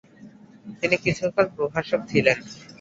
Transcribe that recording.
তিনি কিছুকাল প্রভাষক ছিলেন।